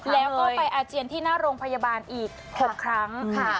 แล้วก็ไปอาเจียนที่หน้าโรงพยาบาลอีก๖ครั้ง